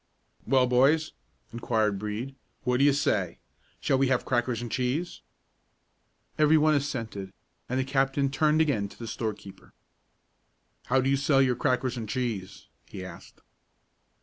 "Well, boys," inquired Brede, "what do you say? Shall we have crackers and cheese?" Every one assented, and the captain turned again to the storekeeper. "How do you sell your crackers and cheese?" he asked.